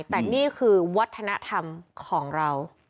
แต่นี่คือวัฒนธรรมของเรา